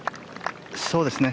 そうですね。